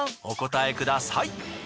お答えください。